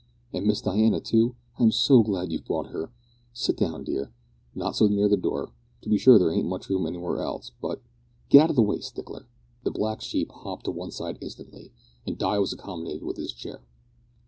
"And Miss Diana, too! I'm so glad you've brought her. Sit down, dear. Not so near the door. To be sure there ain't much room anywhere else, but get out of the way, Stickler." The black sheep hopped to one side instantly, and Di was accommodated with his chair.